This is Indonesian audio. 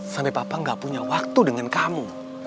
sampai papa gak punya waktu dengan kamu